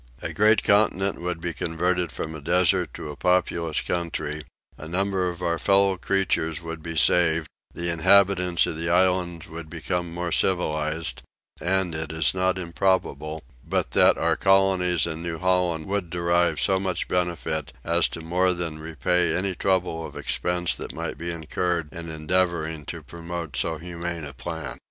A great continent would be converted from a desert to a populous country; a number of our fellow creatures would be saved; the inhabitants of the islands would become more civilised; and it is not improbable but that our colonies in New Holland would derive so much benefit as to more than repay any trouble of expense that might be incurred in endeavouring to promote so humane a plan.